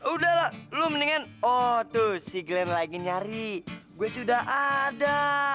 udah lah lo mendingan oh tuh si glenn lagi nyari gue sudah ada